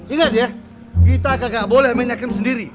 ingat ya kita agak boleh main hakim sendiri